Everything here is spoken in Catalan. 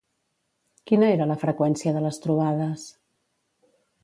Quina era la freqüència de les trobades?